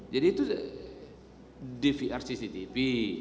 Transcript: jadi itu di vr cctv